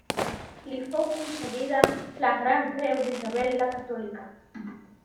Li fou concedida la Gran Creu d'Isabel la Catòlica.